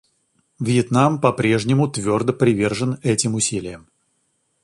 Вьетнам по-прежнему твердо привержен эти усилиям.